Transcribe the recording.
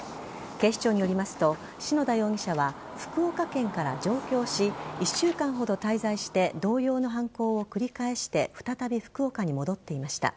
警視庁によりますと篠田容疑者は福岡県から上京し１週間ほど滞在して同様の犯行を繰り返して再び福岡に戻っていました。